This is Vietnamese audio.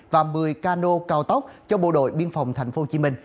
và một mươi cano cao tốc cho bộ đội biên phòng tp hcm